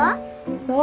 そう。